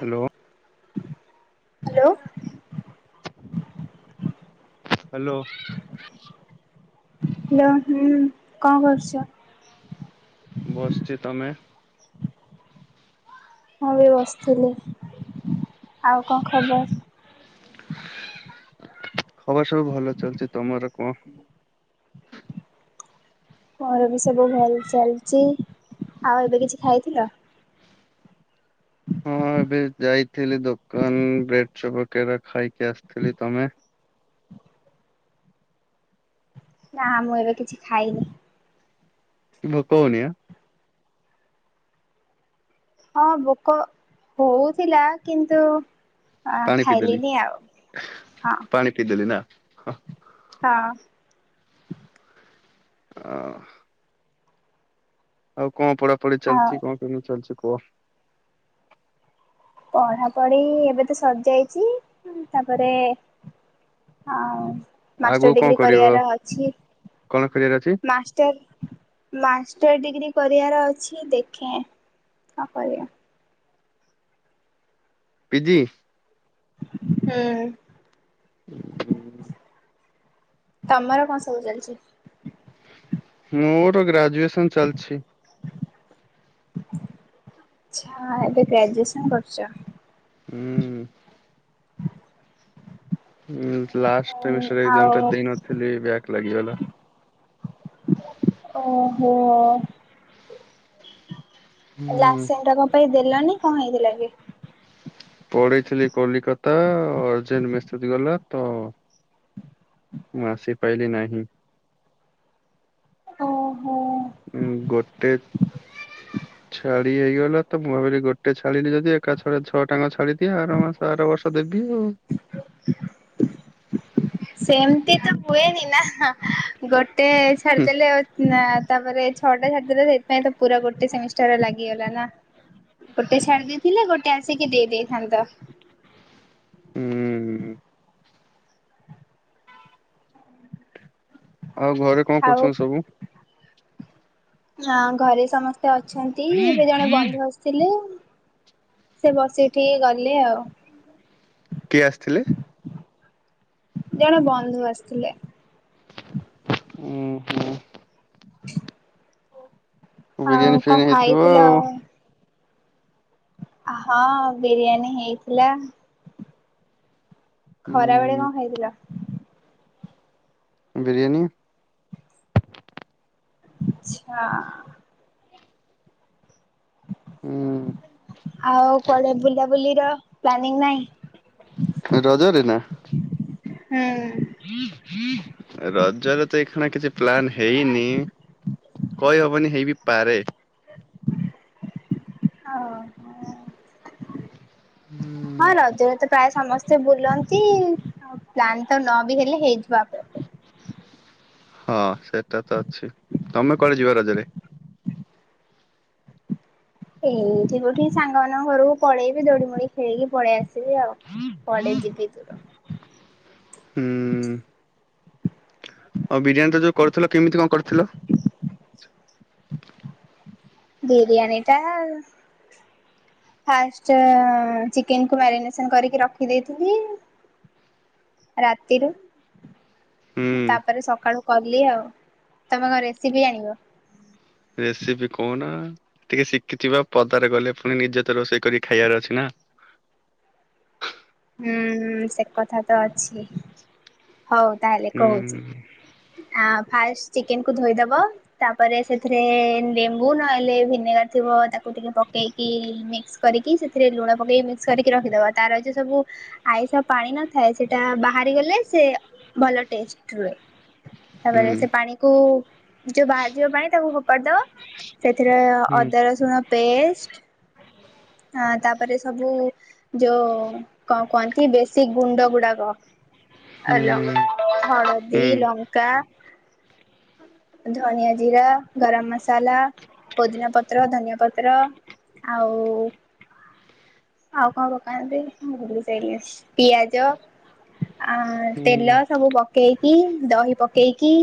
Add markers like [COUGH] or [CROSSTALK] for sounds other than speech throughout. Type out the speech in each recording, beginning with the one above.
Hello hello. Hello. Hello ହୁଁ କଣ କରୁଛ? ବସିଛି ତମେ ମୁଁ ବି ବସିଥିଲି ଆଉ କଣ ଖବର ଖବର ସବୁ ଭଲ ଚାଲିଛି ତମର କଣ ଘର ବି ସବୁ ଭଲ ଚାଲିଛି ଆଉ ଏବେ କିଛି ଖାଇଥିଲ। ହଁ ଏବେ ଯାଇଥିଲି ଦୋକାନ ବ୍ରେଡ ଚପକରା ଖାଇକି ଆସିଥିଲି। ତମେ ନା ମୁଁ ଏବେ କିଛି ଖାଇନି। କି ଭୋକଉନି ଆ ହଁ ଭୋକ ହଉଥିଲା କିନ୍ତୁ ଅ ପାଣି ଖାଇଲିନି ଆଉ ହଁ କି ଦେଲି ନା ହଁ ହଁ। ହୁଁ ଆଉ କଣ ପଢାପଢି ହଁ ଚାଲିଛି କଣ କେମି ଚାଲିଛି କୁହ। ପଢାପଢି ଏବେ ତ ସରିଯାଇଛି ତାପରେ ଆଉ ମାଷ୍ଟର ଆଗକୁ କଣ ଡିଗ୍ରୀ କରିବ? କରିବାର ଅଛି କଣ କରିବାର ଅଛି ମାଷ୍ଟର ମାଷ୍ଟର ଡିଗ୍ରୀ କରିବାର ଅଛି ଦେଖେ ଆଉ କରିବା। ପିଜି। ହୁଁ। ତମର କଣ ସବୁ ଚାଲିଛି। ମୋର ଗ୍ରାଜୁଏସନ ଚାଲିଛି। ଆଚ୍ଛା ଏବେ ଗ୍ରାଜୁଏସନ୍ କରୁଛ। ହୁଁ। [UNINTELLIGIBLE] ଲାଷ୍ଟ ଟାଇମ ଟା ଆଉ ଦେଇନଥିଲି ବ୍ୟାକ ଲାଗିଗଲା। ଓ ହୋ ହ। ହୁଁ ଲାସ ଟାଇମ ଟା କଣ ପାଇଁ ଦେଲନି କଣ ହେଇଥିଲା କି ପଳେଇଥିଲି କଲିକତା ଅର୍ଜେଣ୍ଟ ମେସେଜ ଗଲା ତ ମୁଁ ଆସି ପାଇଲି ନାହିଁ। ଓ ହୋ। ଉଁ ଗୋଟେ ଛାଡି ହେଇଗଲା ତ ମୁଁ ଭାବିଲି ଗୋଟେ ଛାଡି ଯଦି ଏକା ଛଅଟା ଙ୍କ ଛାଡ଼ିଦିଏ ଆର ମାସ ଆର ବର୍ଷ ଦେବି ଆଉ। [INAUDIBLE] ସେମତି ତ ହୁଏନି ନା ହାଁ ଗୋଟେ ହୁଁ ଛାଡିଦେଲେ ନା ତାପରେ ଛଅଟା ଛାଡିଦେଲ ସେଇଥିପାଇଁ ତ ପୁରା ଗୋଟେ ସେମିଷ୍ଟାରେ ଲାଗିଗଲା ନାଁ। ଗୋଟେ ଛାଡି ଦେଇେଥିଲେ ଗୋଟେ ଆସିକି ଦେଇ ଦେଇଥାନ୍ତ। ହୁଁ ଆଉ ଘରେ କଣ ଆଉ କରୁଛନ୍ତି ସବୁ? ନାଁ ଘରେ ସମସ୍ତେ ଅଛନ୍ତି ଏବେ ଜଣେ ବନ୍ଧୁ ଆସ ଥିଲେ ସେ ବସିକି ଟିକେ ଗଲେ ଆଉ। କିଏ ଆସିଥିଲେ? ଜଣେ ବନ୍ଧୁ ଆସିଥିଲେ। ହୁଁ ହୁଁ। ଆଉ ବିରିୟାନୀ କଣ ଫିରିୟାନୀ ହେଇଥିବ ଆଉ। ଖାଇଥିଲ ହଁ ବିରିୟାନୀ ହେଇଥିଲା। ଖରା ବେଳେ ହୁଁ କଣ ଖାଇଥିଲ? ବିରିୟାନୀ। ଆ ଛା ହୁଁ ଆଉ କୁଆଡେ ବୁଲାବୁଲି ର ପ୍ଲାନିଂ ନାଇଁ? ରଜରେ ନା। ହୁଁ ରଜରେ ତ ଏଇଖିଣା କିଛି ପ୍ଲାନ୍ ହେଇନି। କହିହବନି ହେଇବି ପାରେ। ହଁ ହୁଁ ହଁ ରଜରେ ତ ପ୍ରାୟ ସମସ୍ତେ ବୁଲନ୍ତି ଆଉ ପ୍ଲାନ ତ ନ ବି ହେଲେ ହେଇଯିବ ଆପେ। ଆପେ। ହଁ ସେଟା ତ ଅଛି ତମେ କୁଆଡେ ଯିବ ରଜରେ? ଏଇଠି କୋଉଠିକି ସାଙ୍ଗମାନାନଙ୍କ ଘରକୁ ପଳେଇବି ଦୋଳି ମୋଳି ଖେଳିକି ପଳେଇ ଆସିବି ଆଉ। କୁଆଡ଼େ ଜିବି ଦୁର। ହୁଁ ଆଉ ବିରିୟାନୀ ଟା ଯୋଉ କରୁଥିଲ କେମିତି କଣ କରିଥିଲ? ବିରିୟାନିଟା ଫାଷ୍ଟ ଚିକେନକୁ ମାରିନେସନ୍ କରିକି ରଖି ଦେଇଥିଲି। ରାତିରୁ। ହୁଁ। ତା ପରେ ସକାଳୁ କଲି ଆଉ ତମେ କଣ ରେସିପି ଜାଣିବ? ରେସିପି କୋଉ ନା ଟିକେ ଶିଖିଥିବ ପଦାରେ ଗଲେ ପୁଣି ନିଜେ ତ ରୋଷେଇ କରି ଖାଇବାର ଅଛି ନା। ହୁଁ ହୁଁ ସେ କଥା ତ ଅଛି ହଉ ତାହେଲେ ହୁଁ କହୁଛି। ଆଉ ଫାଷ୍ଟ ଚିକେନ କୁ ଧୋଇଦବ ତା ପରେ ସେଥିରେ ଲେମ୍ବୁ ନହେଲେ ଭିନେଗାର ଥିବ ତାକୁ ଟିକେ ପକେଇି ଇ ମିକ୍ସ କରିକି ସେଥିରେ ଲୁଣ ପକେଇକି ମିକ୍ସ କରିକି ରଖିଦବ ତାର ଯୋଉ ସବୁ ଆଇଷ ପାଣି ନଥାଏ ସେଟା ବାହାରି ଗଲେ ସେଇଟା ଭଲ ଟେଷ୍ଟ ରୁହେ। ତାପରେ ହୁଁ ସେ ପାଣି କୁ ଯୋଉ ବାହାରିଯିବ ପାଣି ତାକୁ ଫୋପାଡି ଦବ ସେଥିରେ ହୁଁ ଅଦା ରସୁଣ ପେଷ୍ଟ ହଁ ତାପରେ ସବୁ ଯୋଉ କ କୁହନ୍ତି ବେଶୀ ଗୁଣ୍ଡ ଗୁଡାକ ଆଲ। ହୁଁ ହୁଁ ହଳଦୀ ହୁଁ ଲଙ୍କା। ଧନିଆ ଜିରା ଗରମ ମଶାଲା। ପୋଦିନା ପତ୍ର ଧନିଆ ପତ୍ର ଆଉ ଆଉ କଣ ପକାନ୍ତି କଣ ଭୁଲି ସାରିଲି ପିଆଜ। ଆ ତେଲ ସବୁ ପକେଇକି ଦହି ପକେଇକି।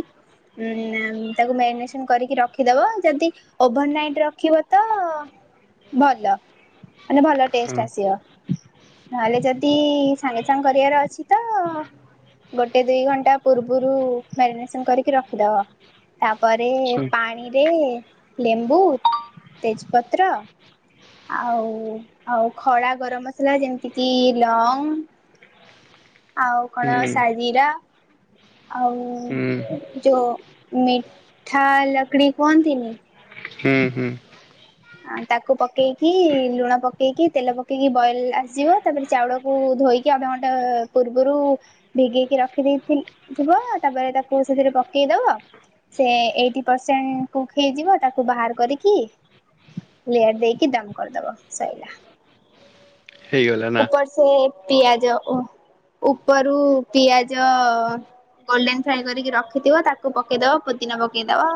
ଉଁ ତାକୁ ମ୍ୟାରିନେସନ କରିକି ରଖିଦବ ଯଦି ଓଭର ନାଇଟ ରଖିବ ତ ଭଲ ମାନେ ଭଲ ହଁ। ଟେଷ୍ଟ ଆସିବ। ନହେଲେ ଯଦି ସାଙ୍ଗେ ସାଙ୍ଗେ କରିବାର ଅଛି ତ ଗୋଟେ ଦୁଇ ଘଣ୍ଟା ପୂର୍ବରୁ ମ୍ୟାରିନେସନ କରିକି ରଖିଦବ। ତାପରେ ହୁଁ ପାଣିରେ ଲେମ୍ବୁ ତେଜପତ୍ର ଆଉ ଆଉ ଖଡ଼ା ଗରମ ମସଲା ଯେମିତି କିି ଲଙ୍ଗ ଆଉ କଣ ହୁଁ ସାଜିରା ଆଉ ହୁଁ ଯୋଉ ମିଠା ଲକଡି କୁହନ୍ତି ନି। ହୁଁ ହୁଁ। ତାକୁ ପକେଇକି ଲୁଣ ପକେଇକି ତେଲ ପକେଇକି ବଏଲ ଆସିଯିବ ତାପରେ ଚାଉଳକୁ ଧୋଇକି ଅଧଘଣ୍ଟା ପୂର୍ବରୁ ଭିଗେଇକି ରଖିଦେଇ ଥିଲ ଥିବ ତାପରେ ତାକୁ ସେଥିରେ ପକେଇ ଦବ। ସେ ଏଇଟି ପରସେଣ୍ଟ କୁକ ହେଇଯିବ ତାକୁ ବାହାର କରିକି ଲେୟାର ଦେଇକି ଦମ୍ କରିଦବ ସଇଲା। ହେଇଗଲା ନା ଉପର ସେ ପିଆଜ ଉପରୁ ପିଆଜ ଗୋଲଡେନ ଫ୍ରାଏ କରିକି ରଖିଥିବ ତାକୁ ପକେଇଦବ ପୋଦିନା ପକେଇଦବ।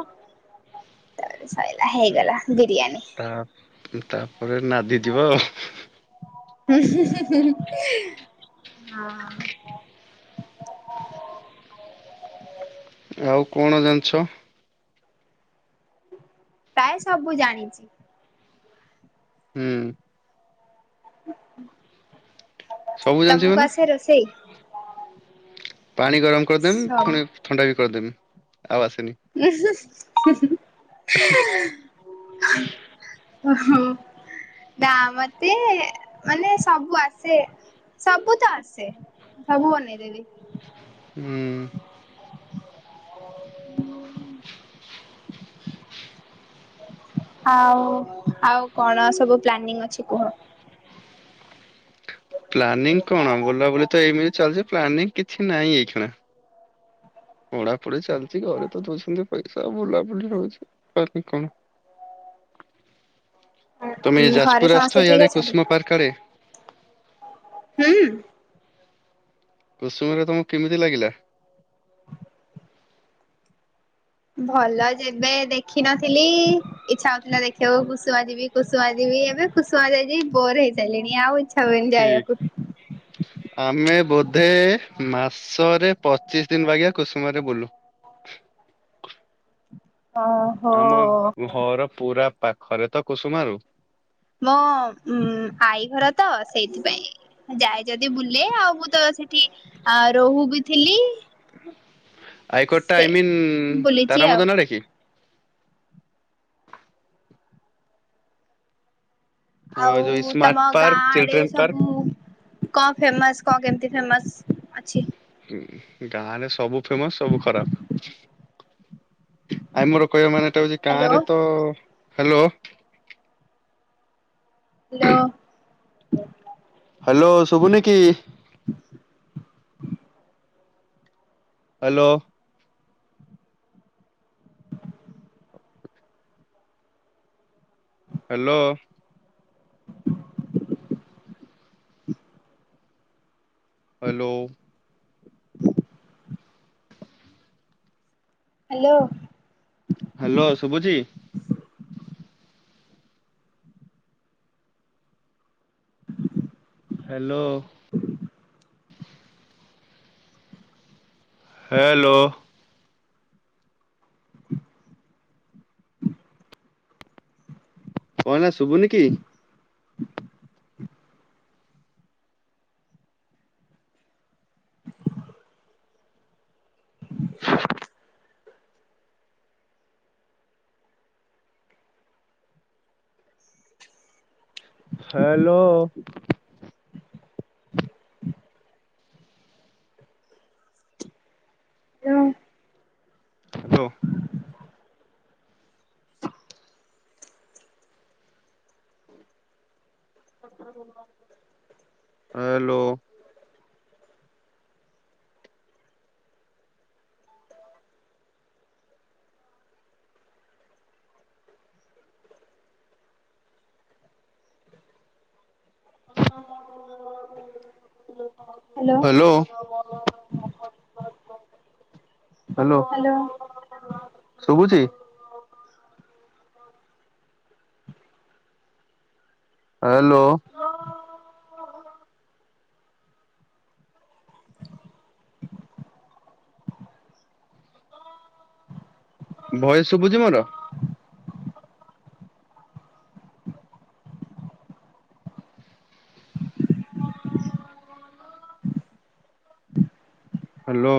ତା ପରେ ସଇଲା ହେଇଗଲା ବିରିୟାନୀ। ହଁ। ତାପରେ ନାଦି ଥିବ ଆଉ। ହୁଁ ହୁଁ ହୁଁ ହୁଁ ହଁ। ଆଉ କଣ ଜାଣିଛ? ପ୍ରାୟ ସବୁ ଜାଣିଛି। ହୁଁ। ସବୁ ଜାଣିଥିବ ତମକୁ ନା ଆସେ ରୋଷେଇ? ପାଣି ଗରମ କରିଦେମି ପୁଣି ଥଣ୍ଡା ବି କରିଦେମି ଆଉ ଆସେନି। ଉହୁଁ ହୁଁ ହୁଁ ହୁଁ। ଓ ହଁ। ନା ମତେ ମାନେ ସବୁ ଆସେ ସବୁ ତ ଆସେ। ସବୁ ବନେଇଦେବି। ହୁଁ। [INAUDIBLE] ଆଉ ଆଉ କଣ ସବୁ ପ୍ଲାନିଂ ଅଛି କୁହ? ପ୍ଲାନିଂ କଣ ବୁଲାବୁଲି ତ ଏଇମିତି ଚାଲିଛି ପ୍ଲାନିଂ କିଛି ନାହିଁ ଏଇଖିଣା। ପଢାପଢି ଚାଲିଛି ଘରେ ତ ଦଉଛନ୍ତି ପଇସା ବୁଲାବୁଲି ହଉଛି ବାକି କଣ। ତମେ ହୁଁ ଘରେ ଯାଜପୁର ସମସ୍ତେ ଆସିଛ ଠିକ ଇଆଡେ ଅଛନ୍ତି? କୁସୁମ ପାର୍କ ଆଡେ? ହୁଁ। କୁସୁମାରେ ତମକୁ କେମିତି ଲାଗିଲା? ଭଲ ଯେବେ ଦେଖିନଥିଲି ଇଚ୍ଛା ହଉଥିଲା ଦେଖିବାକୁ କୁସୁମା ଯିବି କୁସୁମା ଯିବି ଏବେ କୁସୁମା ଯାଇ ଯାଇ ବୋର ହେଇସାରିଲଣି ଆଉ ଇଚ୍ଛା ହୁଏ ନି ଯାଏ ଠିକ ବାକୁ। ଆମେ ବୋଧେ ମାସରେ ପଚିଶ ଦିନ ବାଗିଆ କୁସୁମାରେ ବୁଲୁ। ଆମ ଓହୋ ଘର ପୁରା ପାଖରେ ତ କୁସୁମାରୁ, ମୋ ଉ ଆଈ ଘର ତ ସେଇଥିପାଇଁ, ମୁଁ ଯାଏ ଯଦି ବୁଲେ ଆଉ ମୁଁ ତ ସେଠି ରୋହୁ ବି ଥିଲି। ଆଇକଟ ଟା ସେ ଆଇମନ୍ ବୁଲିଚି ତାର ଆଉ। [UNINTELLIGIBLE] ଅ, ଯୋଉ ଆଉ ସ୍ମାର୍ଟ ତମ ପାର୍କ ଗାଁ ଆଡେ ଚିଲଡ୍ରେନ ପାର୍କ ସବୁ କଣ ଫେମସ କଣ କେମିତି ଫେମସ? ଅଛି? ଗାଁରେ ସବୁ ଫେମସ ସବୁ ଖରାପ। ଆଉ ମୋର କହିବା ମାନେଟା ହଉଛି ହ୍ୟାଲୋ ଗାଁରେ ତ, ହ୍ୟାଲୋ। ହ୍ୟାଲୋ। ହ୍ୟାଲୋ ଶୁଭୁନି କି? Hello. Hello. Hello. Hello. Hello ଶୁଭୁଛି? ହ୍ୟାଲୋ। [UNINTELLIGIBLE] ହ୍ୟାଲୋ। କଣ ହେଲା ଶୁଭୁନି କି? ହ୍ୟାଲୋ। ହଁ। Hello. Hello. [UNINTELLIGIBLE] Hello. Hello. Hello ଶୁଭୁଛି? ହ୍ୟାଲୋ। ଭଏସ ଶୁଭୁଛିି ମୋର? ହ୍ୟାଲୋ।